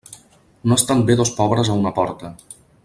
No estan bé dos pobres a una porta.